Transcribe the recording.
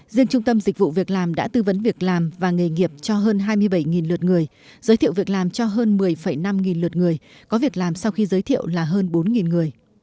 riêng trung tâm dịch vụ việc làm đã tư vấn việc làm và nghề nghiệp cho hơn hai mươi bảy lượt người giới thiệu việc làm cho hơn một mươi năm nghìn lượt người có việc làm sau khi giới thiệu là hơn bốn người